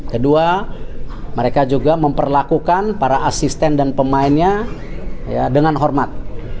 kedua mereka juga memperlakukan para asisten dan pemainnya dengan hormat